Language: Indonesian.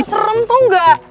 serem tau gak